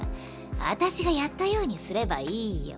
あたしがやったようにすればいいよ。